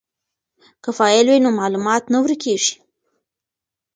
که فایل وي نو معلومات نه ورکیږي.